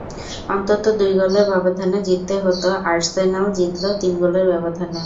অন্তত দুই গোলের ব্যবধানে জিততে হতো, আর্সেনাল জিতল তিন গোলের ব্যবধানে।